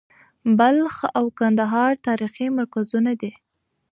بلخ او کندهار تاریخي مرکزونه دي.